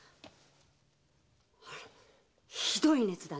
あらひどい熱だね。